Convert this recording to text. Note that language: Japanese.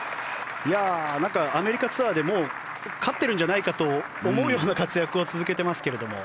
アメリカツアーで勝っているんじゃないかと思うような活躍を続けていますが。